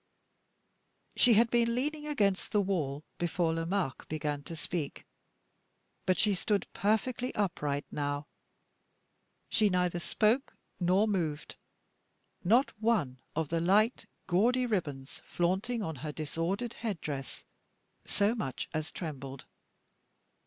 She had been leaning against the wall, before Lomaque began to speak; but she stood perfectly upright now. She neither spoke nor moved. Not one of the light gaudy ribbons flaunting on her disordered head dress so much as trembled.